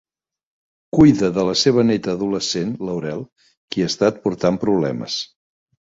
Cuida de la seva néta adolescent, Laurel, qui ha estat portant problemes.